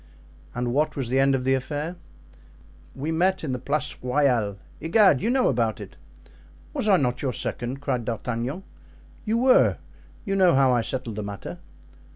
"And what was the end of the affair?" "We met in the Place Royale—Egad! you know about it." "Was I not your second?" cried D'Artagnan. "You were; you know how I settled the matter."